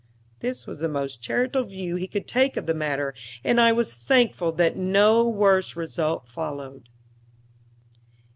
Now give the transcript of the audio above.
This was the most charitable view he could take of the matter, and I was thankful that no worse result followed.